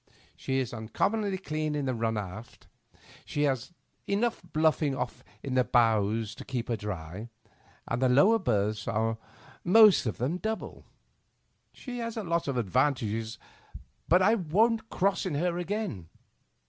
She is uncommonly clean in the run aft, she has enough bluffling off in the bows to keep her dry, and the lower berths are most of them double. She has a lot of advantages, but I won't cross in her again.